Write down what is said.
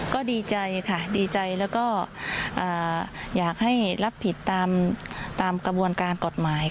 ก็ดีใจค่ะดีใจแล้วก็อยากให้รับผิดตามกระบวนการกฎหมาย